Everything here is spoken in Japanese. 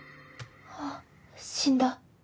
あっ死んだ。